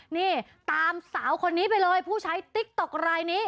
นี่ตามสาวคนนี้ไปเลยผู้ใช้ติ๊กต๊อกรายนี้